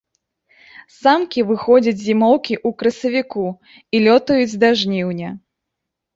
Самкі выходзяць з зімоўкі ў красавіку і лётаюць да жніўня.